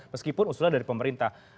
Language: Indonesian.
meskipun usulnya dari pemerintah